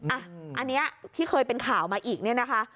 อันนี้ที่เคยเป็นข่าวมาอีกเนี่ยนะคะ